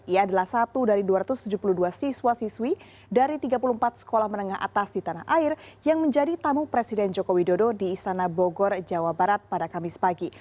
ia adalah satu dari dua ratus tujuh puluh dua siswa siswi dari tiga puluh empat sekolah menengah atas di tanah air yang menjadi tamu presiden joko widodo di istana bogor jawa barat pada kamis pagi